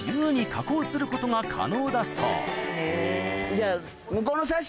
じゃあ。